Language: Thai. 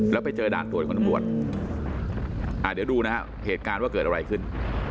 แล้วไปเจอด่านตรวจของตำรวจเดี๋ยวดูนะฮะเหตุการณ์ว่าเกิดอะไรขึ้น